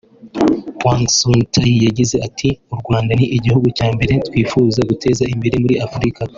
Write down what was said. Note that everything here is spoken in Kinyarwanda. Hwang Soon-Taik yagize ati “U Rwanda ni igihugu cya mbere twifuza guteza imbere muri Afurika